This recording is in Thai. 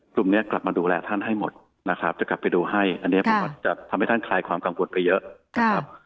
กลุ่มนี้กลับมาดูแลท่านให้หมดนะครับจะกลับไปดูให้อันนี้ประวัติจะทำให้ท่านคลายความกังวลไปเยอะนะครับ